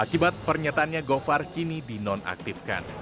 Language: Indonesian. akibat pernyataannya govar kini dinonaktifkan